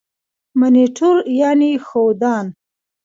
منیټور یعني ښودان.